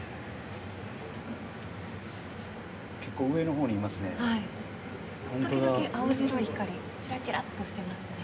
上のほうにいますね。